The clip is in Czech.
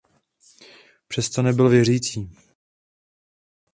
Přesto nebyl věřící.